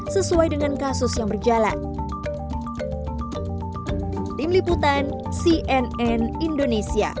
sesuai dengan kasus yang berjalan